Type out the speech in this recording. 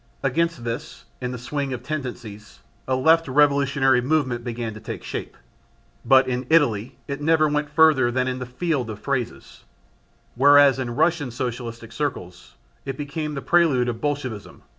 Against this, in the swing of tendencies, a left revolutionary movement began to take shape, but in Italy it never went further than the "field of phrases," whereas in Russian Socialistic circles it became the prelude of Bolscevism.